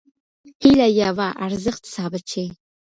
هيله يوه: ارزښت ثابت شي.